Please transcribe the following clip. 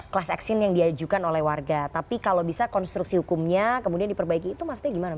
class action yang diajukan oleh warga tapi kalau bisa konstruksi hukumnya kemudian diperbaiki itu maksudnya gimana